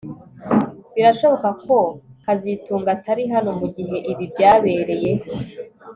Birashoboka ko kazitunga atari hano mugihe ibi byabereye